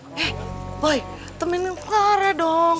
eh boy temenin clara dong